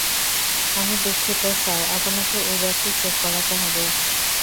আমি দুঃখিত, স্যার, আপনাকে ওই ব্যাগটি চেক করাতে হবে।